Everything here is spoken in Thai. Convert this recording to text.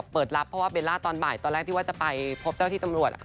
เปิดรับเพราะว่าเบลล่าตอนบ่ายตอนแรกที่ว่าจะไปพบเจ้าที่ตำรวจ